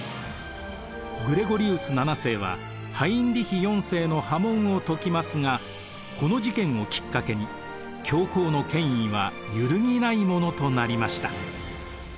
グレゴリウス７世はハインリヒ４世の破門を解きますがこの事件をきっかけに教皇の権威は揺るぎないものとなりました。